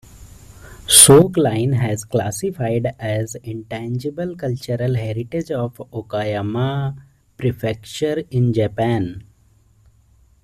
Soke line has classified as Intangible Cultural Heritage of Okayama Prefecture in Japan.